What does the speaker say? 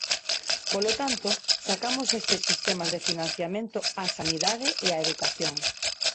Polo tanto, sacamos estes sistemas de financiamento á sanidade e á educación.